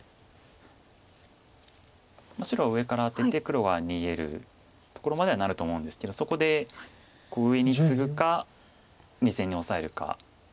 白は上からアテて黒は逃げるところまではなると思うんですけどそこで上にツグか２線にオサえるか。